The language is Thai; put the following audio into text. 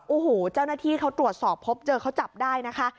โอ้โหเจ้าหน้าที่เขาตรวจสอบพบเจอเขาจับได้นะคะ